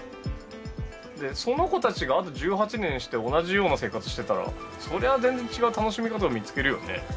その子たちがあと１８年して同じような生活してたらそりゃ全然違う楽しみ方を見つけるよね。